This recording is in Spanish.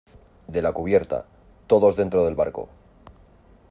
de la cubierta. todos dentro del barco .